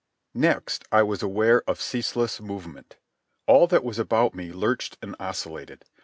Next I was aware of ceaseless movement. All that was about me lurched and oscillated.